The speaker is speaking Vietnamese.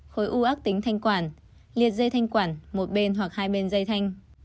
khối u ác tính thanh quản liệt dây thanh quản một bên hoặc hai bên dây thanh